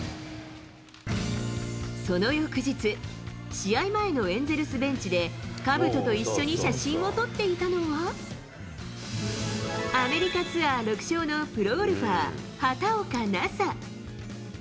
その翌日、試合前のエンゼルスベンチで、かぶとと一緒に写真を撮っていたのは、アメリカツアー６勝のプロゴルファー、畑岡奈紗。